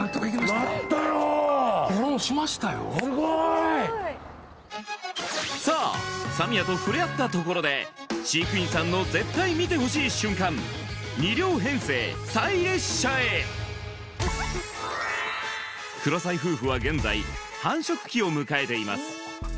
やったよすごいさあサミアとふれあったところで飼育員さんの絶対見てほしい瞬間へクロサイ夫婦は現在繁殖期を迎えています